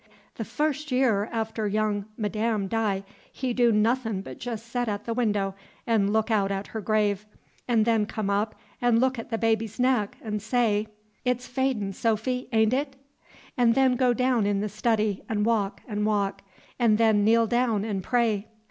The fus' year after young Madam die he do nothin' but jes' set at the window 'n' look out at her grave, 'n' then come up 'n' look at the baby's neck 'n' say, 'It's fadin', Sophy, a'n't it? 'n' then go down in the study 'n' walk 'n' walk, 'n' them kneel down 'n' pray.